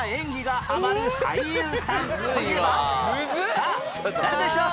さあ誰でしょう？